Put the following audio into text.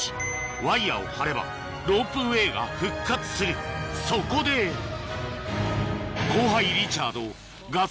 ワイヤを張ればロープウエーが復活するそこで後輩リチャードガス